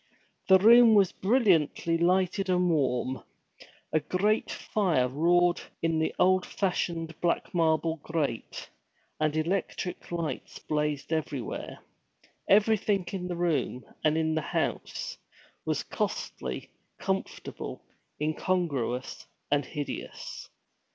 The room was brilliantly lighted and warm. A great fire roared in the old fashioned black marble grate, and electric lights blazed everywhere. Everything in the room, and in the house, was costly, comfortable, incongruous, and hideous.